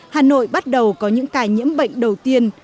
hà nội bắt đầu có những ca nhiễm bệnh đầu tiên